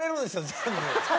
全部。